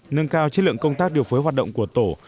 nâng cao chất lượng công tác điều phối hoạt động của tổ